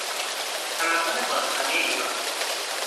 تمدن باستانی ایران